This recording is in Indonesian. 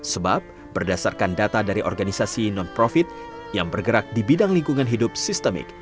sebab berdasarkan data dari organisasi non profit yang bergerak di bidang lingkungan hidup sistemik